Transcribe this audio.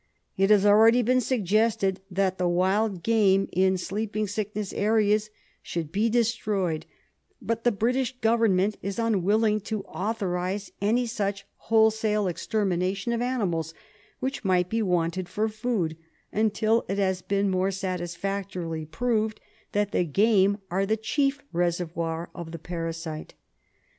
It has already been suggested that the wild game in sleeping siclv ness areas should be destroyed, but the British Government is unwilling to authorise any such wholesale extermination of animals, which might be wanted for food, until it has been more satisfactorily proved that the game are the chief reservoir of the parasite.